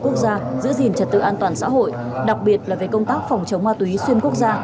quốc gia giữ gìn trật tự an toàn xã hội đặc biệt là về công tác phòng chống ma túy xuyên quốc gia